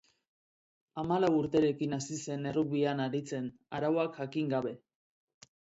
Hamalau urterekin hasi zen errugbian aritzen, arauak jakin gabe.